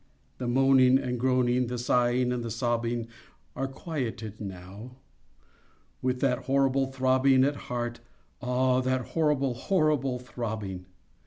The moaning and groaning, The sighing and sobbing, Are quieted now, With that horrible throbbing At heart:—ah, that horrible, Horrible throbbing!